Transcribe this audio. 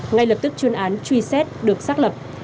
ngay lập tức chuyên án truy xét được xác lập